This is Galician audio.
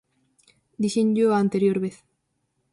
Díxenllo a anterior vez.